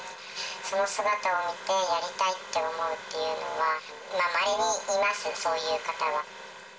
その姿を見て、やりたいって思うっていうのは、まれにいます、そういう方は。